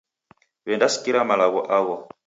Wendasikira malagho agho